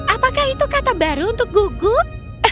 apakah itu kata baru untuk guguk